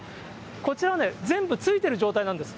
こちらはね、全部ついてる状態なんです。